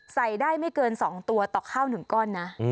ใส่ได้ไม่เกิน๒ตัวต่อข้าว๑ก้อนนะ